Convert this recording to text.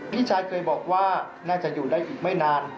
พี่ชายเคยบอกว่าน่าจะอยู่ได้อีกไม่นาน